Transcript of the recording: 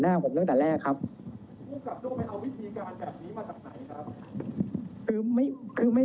เรามีการปิดบันทึกจับกลุ่มเขาหรือหลังเกิดเหตุแล้วเนี่ย